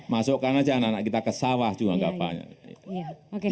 masukkan aja anak anak kita ke sawah juga enggak apa apa